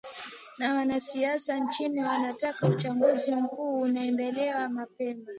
na wanasiasa nchini wanataka uchaguzi mkuu uandaliwe mapema